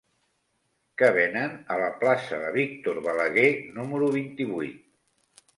Què venen a la plaça de Víctor Balaguer número vint-i-vuit?